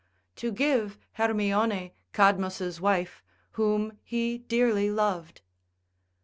to give Hermione Cadmus' wife, whom he dearly loved.